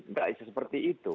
nggak bisa seperti itu